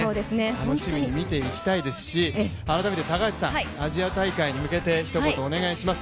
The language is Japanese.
楽しみに見ていきたいですし改めて高橋さんアジア大会に向けひと言お願いします。